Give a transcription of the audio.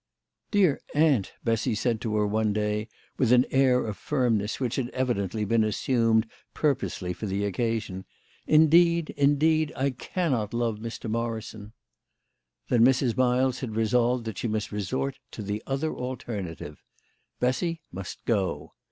" Dear aunt," Bessy said to her one day, with an air of firmness which had evidently been assumed pur posely for the occasion, " indeed, indeed, I cannot love THE LADY OF LAUXAY. 125 Mr. Morrison." Then Mrs. Miles had resolved that she must resort to the other alternative. Bessy must go.